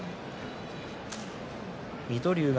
水戸龍は。